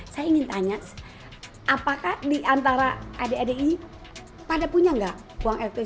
saya ingin tanya apakah diantara adik adik ini pada punya nggak uang elektronik